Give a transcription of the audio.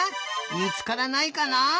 みつからないかな？